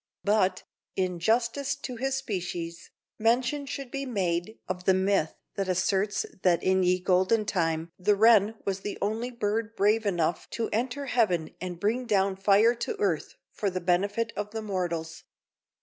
But, in justice to his species, mention should be made of the myth that asserts that in ye golden time the wren was the only bird brave enough to enter heaven and bring down fire to earth for the benefit of the mortals.